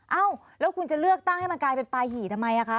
เอ้าแล้วคุณจะเลือกตั้งให้มันกลายเป็นปลาหี่ทำไมคะ